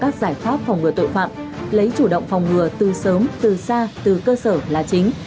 các giải pháp phòng ngừa tội phạm lấy chủ động phòng ngừa từ sớm từ xa từ cơ sở là chính